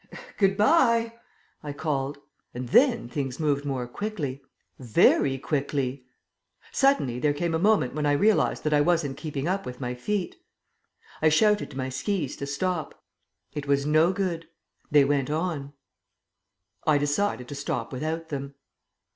"Good bye," I called. And then things moved more quickly.... Very quickly.... Suddenly there came a moment when I realized that I wasn't keeping up with my feet.... I shouted to my skis to stop. It was no good. They went on.... I decided to stop without them....